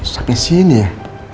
sampai sini ya